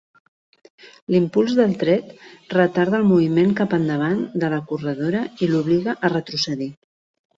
L'impuls del tret retarda el moviment cap endavant de la corredora i l'obliga a retrocedir.